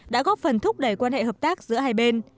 đã góp phần thúc đẩy quan hệ hợp tác giữa hai bên